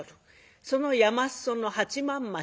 その山裾の八幡町。